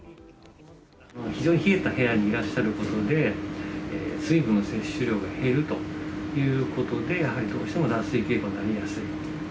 非常に冷えた部屋にいらっしゃることで、水分の摂取量が減るということで、やはりどうしても脱水傾向になりやすい。